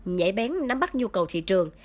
nhảy bén nắm bắt nhu cầu thị trường